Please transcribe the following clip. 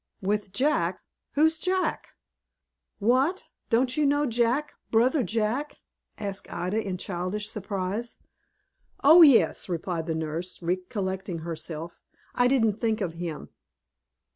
"With Jack! Who's Jack?" "What! Don't you know Jack, brother Jack?" asked Ida, in childish surprise. "O yes," replied the nurse, recollecting herself; "I didn't think of him."